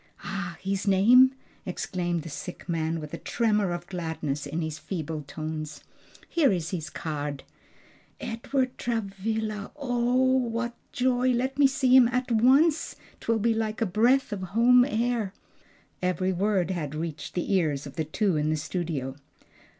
"Ah! his name?" exclaimed the sick man, with a tremor of gladness in his feeble tones. "Here is his card." "'Edward Travilla!' ah what joy! Let me see him at once. 'Twill be like a breath of home air!" Every word had reached the ears of the two in the studio.